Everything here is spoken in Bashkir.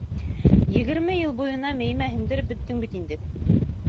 Егерме йыл буйына мейемә һеңдереп бөттөң бит инде.